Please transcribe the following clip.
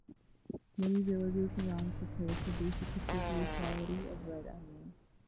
Many villages around Tropea produce a particular quality of red onion.